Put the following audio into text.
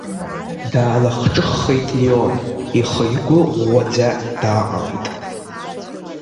Даалахҿыххеит Леон, ихы-игәы ӷәӷәаӡа дааҟалеит.